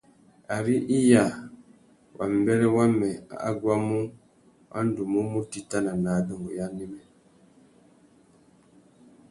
Ari iya wa mbêrê wamê a guamú, wa ndú mú mù titana nà adôngô ya anêmê.